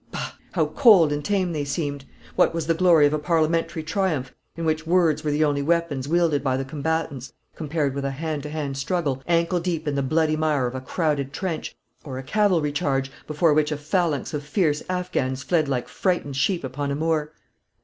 Bah! how cold and tame they seemed! What was the glory of a parliamentary triumph, in which words were the only weapons wielded by the combatants, compared with a hand to hand struggle, ankle deep in the bloody mire of a crowded trench, or a cavalry charge, before which a phalanx of fierce Affghans fled like frightened sheep upon a moor!